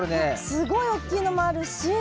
すごい大きいのもあるし。